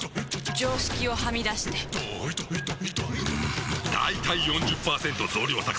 常識をはみ出してんだいたい ４０％ 増量作戦！